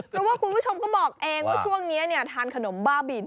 เพราะว่าคุณผู้ชมก็บอกเองว่าช่วงนี้ทานขนมบ้าบิน